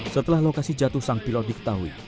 setelah lokasi jatuh sang pilot diketahui